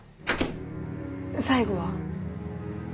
最後は？